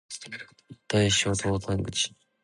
大楠登山口